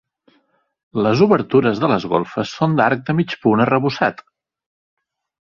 Les obertures de les golfes són d'arc de mig punt arrebossat.